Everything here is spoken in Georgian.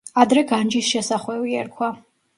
ადრე განჯის შესახვევი ერქვა.